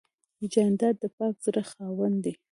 جانداد د پاک زړه خاوند دی.